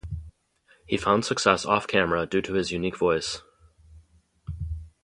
He found success off-camera due to his unique voice.